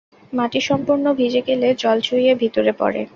মাটি সম্পূর্ণ ভিজে গেলে জল চুঁইয়ে ভিতরে পড়ে।